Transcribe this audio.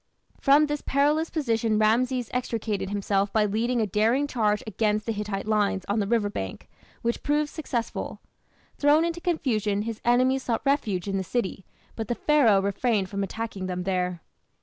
From this perilous position Rameses extricated himself by leading a daring charge against the Hittite lines on the river bank, which proved successful. Thrown into confusion, his enemies sought refuge in the city, but the Pharaoh refrained from attacking them there.